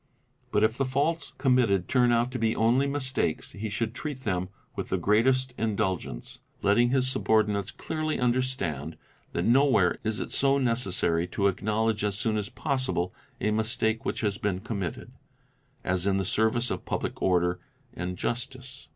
But if the faults committed turn out to be only mistakes, he should treat them with the greatest indulgence, letting _ his subordinates clearly understand that nowhere is it so necessary to _ acknowledge as soon as possible a mistake which has been committed, as in the service of public order and justice.